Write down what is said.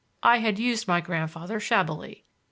I had used my grandfather shabbily.